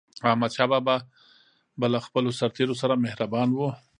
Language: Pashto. احمدشاه بابا به له خپلو سرتېرو سره مهربان و.